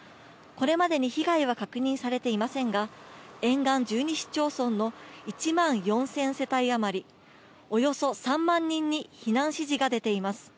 これまでに被害は確認されていませんが、沿岸１２市町村の１万４０００世帯あまり、およそ３万人に避難指示が出ています。